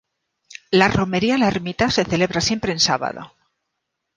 La romería a la Ermita se celebra siempre en sábado.